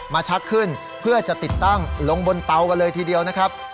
ชักขึ้นเพื่อจะติดตั้งลงบนเตากันเลยทีเดียวนะครับ